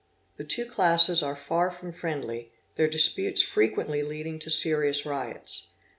The two classes are far from friendly, their disqutes frequently leading to serious riots.